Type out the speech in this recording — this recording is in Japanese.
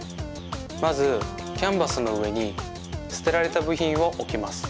まずキャンバスのうえにすてられたぶひんをおきます。